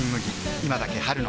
今だけ春の味